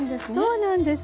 そうなんです。